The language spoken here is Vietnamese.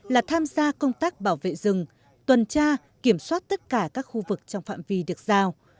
là tham gia công tác bảo vệ rừng tuần tra kiểm soát tất cả các khu vực trong phạm vi được giao